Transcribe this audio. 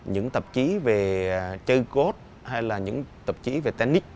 những tạp chí về chơi cốt hay là những tạp chí về tennis